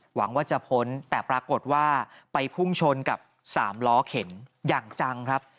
หวังว่าจะพ้นแต่ปรากฏว่าไปพุ่งชนกับ๓ล้อเข็นอย่างจังครับ